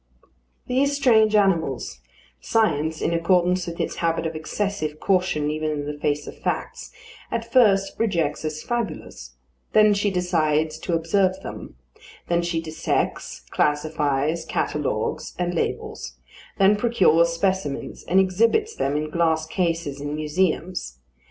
These strange animals, Science, in accordance with its habit of excessive caution even in the face of facts, at first rejects as fabulous; then she decides to observe them; then she dissects, classifies, catalogues, and labels; then procures specimens, and exhibits them in glass cases in museums.